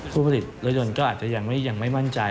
ผู้ผลิตรถยนต์ก็อาจจะยังไม่มั่นใจ